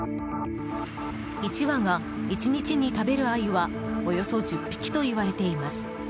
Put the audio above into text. １羽が１日に食べるアユはおよそ１０匹と言われています。